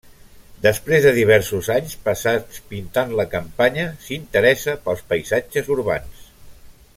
Després de diversos anys passats pintant la campanya, s'interessa pels paisatges urbans.